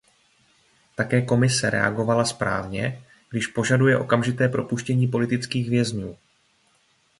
Také Komise reagovala správně, když požaduje okamžité propuštění politických vězňů.